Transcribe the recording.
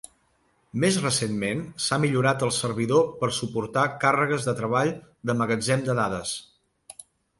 Més recentment, s'ha millorat el servidor per suportar càrregues de treball de magatzem de dades.